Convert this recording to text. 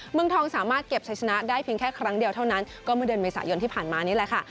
เมืองทองสามารถเก็บชัยชนะได้เพียงแค่ครั้งเดียวเท่านั้นก็เมื่อเดือนเมษายนที่ผ่านมานี่แหละค่ะ